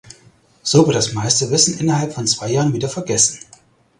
So wird das meiste Wissen innerhalb von zwei Jahren wieder vergessen.